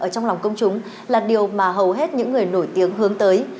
ở trong lòng công chúng là điều mà hầu hết những người nổi tiếng hướng tới